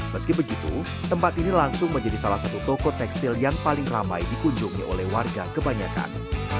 meski begitu tempat ini langsung menjadi salah satu toko tekstil yang paling ramai dikunjungi oleh warga kebanyakan